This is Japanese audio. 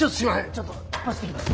ちょっと走ってきます。